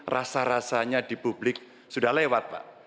rasa rasanya di publik sudah lewat pak